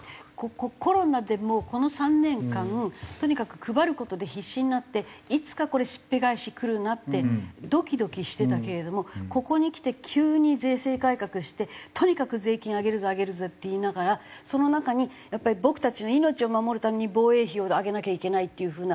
コロナでもうこの３年間とにかく配る事で必死になっていつかこれしっぺ返しくるなってドキドキしてたけれどもここにきて急に税制改革してとにかく税金上げるぞ上げるぞって言いながらその中にやっぱり僕たちの命を守るために防衛費を上げなきゃいけないっていう風な